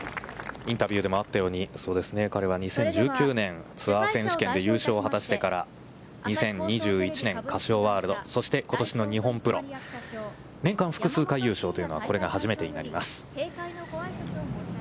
インタビューでもあったように、彼は２０１９年、ツアー選手権で優勝を果たしてから、２０２１年、カシオワールド、そして、ことしの日本プロ、年間複数回優勝というのはこれが初めてになります。